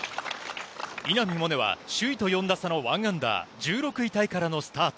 稲見萌寧は首位と４打差の１アンダー１６位タイからのスタート。